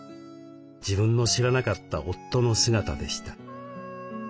自分の知らなかった夫の姿でした。